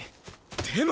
でも！